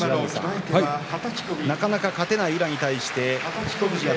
なかなか勝てない宇良に対して北勝